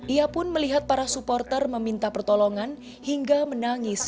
ia pun melihat para supporter meminta pertolongan hingga menangis